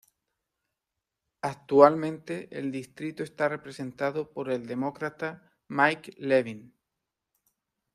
Actualmente el distrito está representado por el Demócrata Mike Levin.